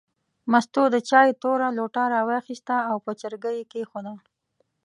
مستو د چای توره لوټه راواخیسته او په چرګۍ یې کېښوده.